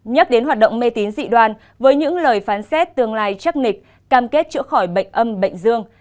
nhắc đến hoạt động mê tín dị đoàn với những lời phán xét tương lai chắc nịch cam kết chữa khỏi bệnh âm bệnh dương